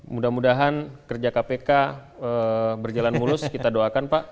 mudah mudahan kerja kpk berjalan mulus kita doakan pak